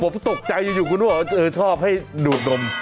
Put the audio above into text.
ผมตกใจอยู่คุณก็บอกว่าชอบให้ดูดนม